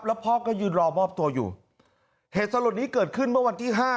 แล้วพ่อก็ยืนรอมอบตัวอยู่เหตุสลดนี้เกิดขึ้นเมื่อวันที่ห้า